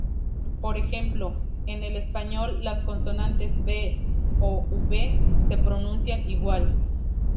Por ejemplo, en el español las consonantes "b" o "v" se pronuncian igual.